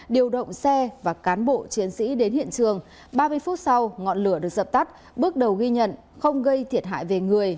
điều động xe và cán bộ chiến sĩ đến hiện trường ba mươi phút sau ngọn lửa được dập tắt bước đầu ghi nhận không gây thiệt hại về người